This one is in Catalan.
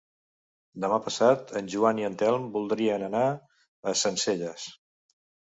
Demà passat en Joan i en Telm voldrien anar a Sencelles.